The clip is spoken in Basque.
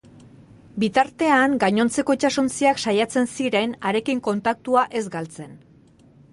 Bitartean, gainontzeko itsasontziak saiatzen ziren harekin kontaktua ez galtzen.